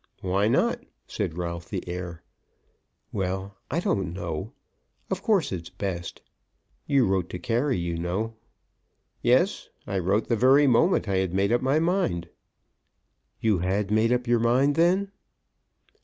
"Why not?" said Ralph the heir. "Well; I don't know. Of course it's best. You wrote to Carey, you know." "Yes; I wrote the very moment I had made up my mind." "You had made up your mind, then?"